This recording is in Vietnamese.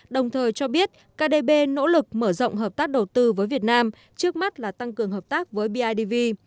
đồng thời cho biết kdb nỗ lực mở rộng hợp tác đầu tư với việt nam trước mắt là tăng cường hợp tác với bidv